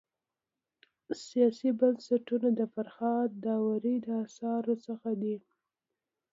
سیاسي بنسټونه د فرهاد داوري د اثارو څخه دی.